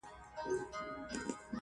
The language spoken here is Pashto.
ا ويل په ښار کي چيرې اور دی لگېدلی~